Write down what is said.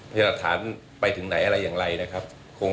ที่รัฐานไปถึงไหนอะไรอย่างไรนะครับ